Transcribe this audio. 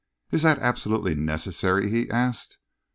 "Is that absolutely necessary?" he asked.